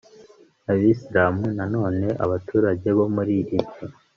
abisilamu nanone abaturage bo muri ibyo